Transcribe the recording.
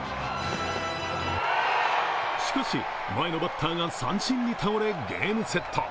しかし、前のバッターが三振に倒れ、ゲームセット。